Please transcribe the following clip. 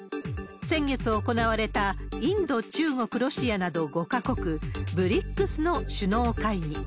先月行われた、インド、中国、ロシアなど５か国、ＢＲＩＣＳの首脳会議。